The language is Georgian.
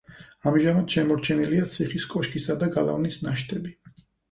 ამჟამად შემორჩენილია ციხის კოშკისა და გალავნის ნაშთები.